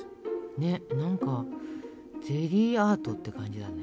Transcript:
ね、なんかゼリーアートって感じだね。